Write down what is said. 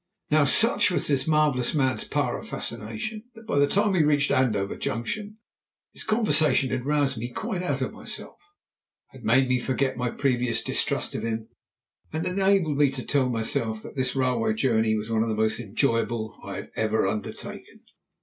Now such was this marvellous man's power of fascination that by the time we reached Andover Junction his conversation had roused me quite out of myself, had made me forget my previous distrust of him, and enabled me to tell myself that this railway journey was one of the most enjoyable I had ever undertaken.